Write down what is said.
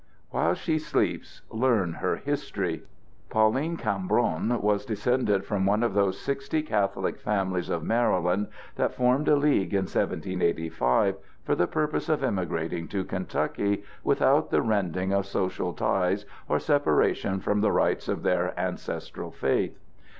While she sleeps learn her history. Pauline Cambron was descended from one of those sixty Catholic families of Maryland that formed a league in 1785 for the purpose of emigrating to Kentucky without the rending of social ties or separation from the rites of their ancestral faith.